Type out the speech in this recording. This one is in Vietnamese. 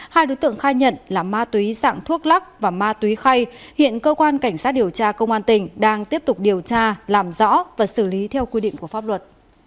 hai đối tượng khai nhận là ma túy dạng thuốc lắc và ma túy khay hiện cơ quan cảnh sát điều tra công an tỉnh đang tiếp tục điều tra làm rõ và xử lý theo quy định của pháp luật